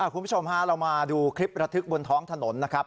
คุณผู้ชมฮะเรามาดูคลิประทึกบนท้องถนนนะครับ